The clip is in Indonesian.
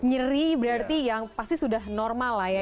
nyeri berarti yang pasti sudah normal lah ya